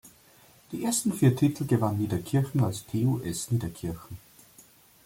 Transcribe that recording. Die ersten vier Titel gewann Niederkirchen als "TuS Niederkirchen".